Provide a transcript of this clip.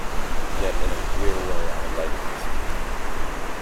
Yet in a queer way I liked the speech.